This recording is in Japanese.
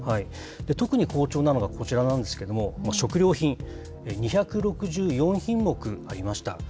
特に好調なのがこちらなんですけれども、食料品、２６４品目ありました。